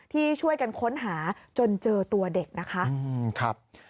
ที่ช่วยกันค้นหาจนเจอตัวเด็กนะคะ